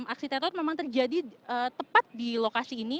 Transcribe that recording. aksi teror memang terjadi tepat di lokasi ini